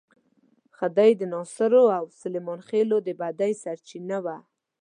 خدۍ د ناصرو او سلیمان خېلو د بدۍ سرچینه وه.